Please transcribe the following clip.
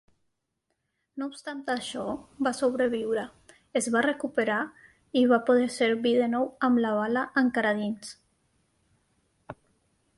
No obstant això, va sobreviure, es va recuperar i va poder servir de nou amb la bala encara dins.